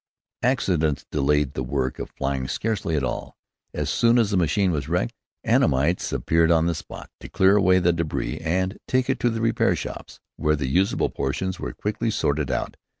Accidents delayed the work of flying scarcely at all. As soon as a machine was wrecked, Annamites appeared on the spot to clear away the débris and take it to the repair shops, where the usable portions were quickly sorted out.